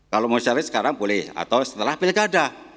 kalau mau cari sekarang boleh atau setelah pilkada